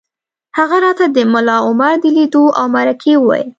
هغه راته د ملا عمر د لیدو او مرکې وویل